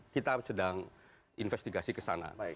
kita sedang investigasi ke sana